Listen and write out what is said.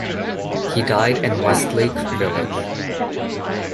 He died in Westlake Village.